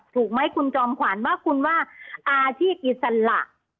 ถูกไหมคุณจอมขวัญว่าคุณว่าอาชีพอิสระ